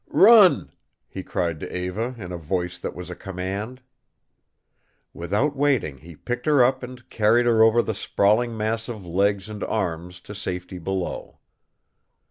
"Run!" he cried to Eva in a voice that was a command. Without waiting he picked her up and carried her over the sprawling mass of legs and arms to safety below.